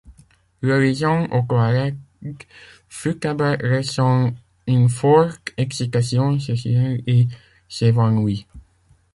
Le lisant aux toilettes, Futaba ressent une forte excitation sexuelle et s'évanouit.